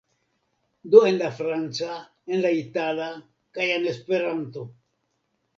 Do en la franca, en la itala, kaj en Esperanto.